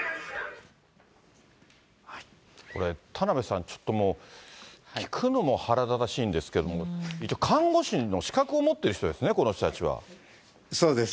これ、田辺さん、ちょっともう、聞くのも腹立たしいんですけど、一応、看護師の資格を持ってる人たちですよね、この人たちは。